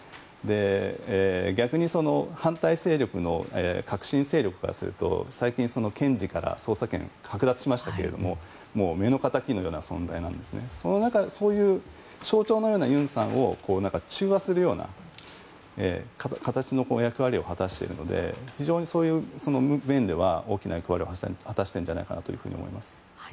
逆に、反対勢力の革新勢力からすると最近、検事から捜査権を剥奪しましたけども目の敵のような存在なんです。そういう象徴のような尹さんを中和するような形の役割を果たしているので非常にその面では大きな役割を果たしているんじゃないかなと思います。